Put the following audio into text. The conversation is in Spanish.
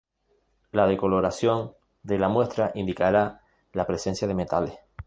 La decoloración de la muestra indicará la presencia de metales.